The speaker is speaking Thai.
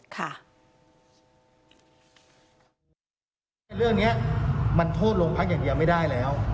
เรื่องนี้มันโทษโลภักดิ์อย่างนี้ยังไม่ได้แล้ว